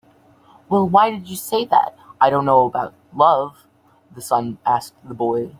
"Well, why did you say that I don't know about love?" the sun asked the boy.